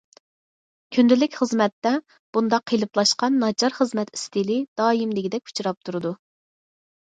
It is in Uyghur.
كۈندىلىك خىزمەتتە، بۇنداق قېلىپلاشقان ناچار خىزمەت ئىستىلى دائىم دېگۈدەك ئۇچراپ تۇرىدۇ.